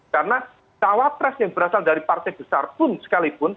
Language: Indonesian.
karena tawapres yang berasal dari partai besar pun sekalipun